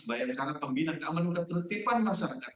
bayangkara pembina keamanan ketertiban masyarakat